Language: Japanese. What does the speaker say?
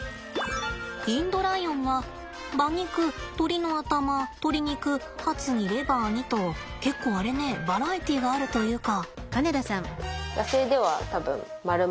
インドライオンは馬肉鶏の頭鶏肉ハツにレバーにと。結構あれねバラエティーがあるというか。